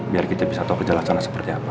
biar kita bisa tahu kejelasan seperti apa